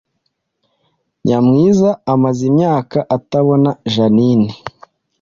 Nyamwiza amaze imyaka atabona Jeaninne